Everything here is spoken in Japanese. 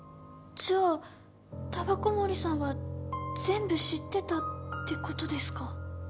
じゃあ煙草森さんは全部知ってたってことですか？